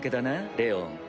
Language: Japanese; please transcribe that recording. レオン。